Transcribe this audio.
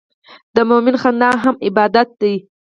د مؤمن خندا هم عبادت ده.